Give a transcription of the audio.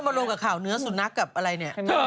มันก็มันโบราณกับข่าวเนื้อสุดนักกับอะไรเนี่ยเธอ